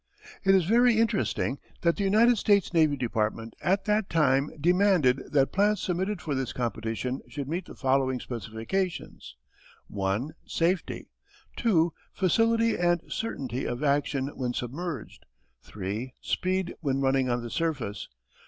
It is very interesting that the United States Navy Department at that time demanded that plans submitted for this competition should meet the following specifications: 1. Safety. 2. Facility and certainty of action when submerged. 3. Speed when running on the surface.